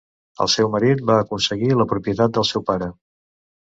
El seu marit va aconseguir la propietat del seu pare.